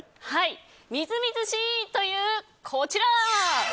みずみずしい！という、こちら。